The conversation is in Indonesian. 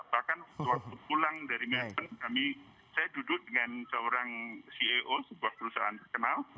bahkan waktu pulang dari melbourne saya duduk dengan seorang ceo sebuah perusahaan terkenal